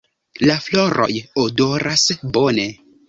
La floroj odoras bone.